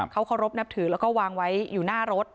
เขาเคารพนับถือแล้วก็วางไว้อยู่หน้ารถ